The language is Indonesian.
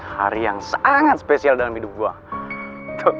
hari yang sangat spesial dalam hidup gue